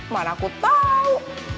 mana aku tau